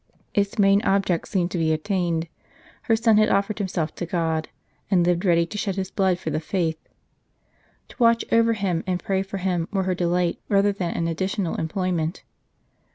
Its main object seemed to be attained. Her son had offered himself to God; and lived ready to shed his blood for the faith. To watch over him, and j^ray for him, were her delight, rather than an additional employment.